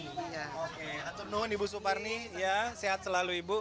oke aturnuhun ibu suparni ya sehat selalu ibu